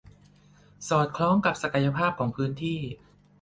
สอดคล้องกับศักยภาพของพื้นที่